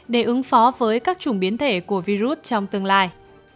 để ứng phó với các chủng biến thể của virus trong tương lai